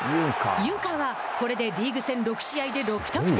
ユンカーはこれでリーグ戦６試合で６得点。